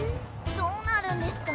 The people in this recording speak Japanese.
どうなるんですか？